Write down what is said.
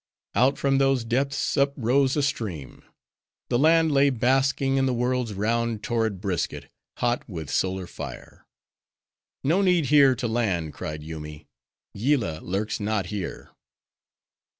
Out from those depths up rose a stream. The land lay basking in the world's round torrid brisket, hot with solar fire. "No need here to land," cried Yoomy, "Yillah lurks not here."